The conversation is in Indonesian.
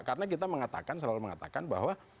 karena kita mengatakan selalu mengatakan bahwa